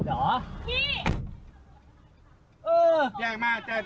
แจ้งมาแจ้งตำรวจ